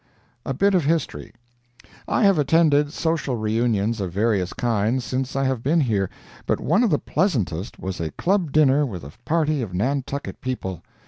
A BIT OF HISTORY I have attended social reunions of various kinds since I have been here, but one of the pleasantest was a club dinner with a party of Nantucket people.